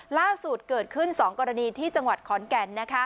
ล่าสุดเกิดขึ้น๒กรณีที่จังหวัดขอนแก่น